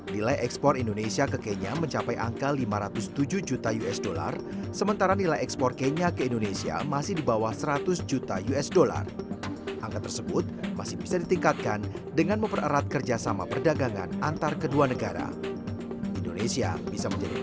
nilai ekspor indonesia ke kenya mencapai angka lima ratus tujuh juta usd sementara nilai ekspor kenya ke indonesia masih di bawah seratus juta usd